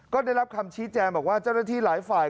ก็ได้รับคำชี้แจงบอกว่าเจ้าหน้าที่หลายฝ่าย